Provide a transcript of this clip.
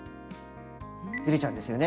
ずれちゃうんですよね